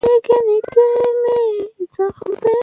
ازادي راډیو د بانکي نظام په اړه تاریخي تمثیلونه وړاندې کړي.